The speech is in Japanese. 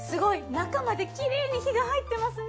中まできれいに火が入ってますね。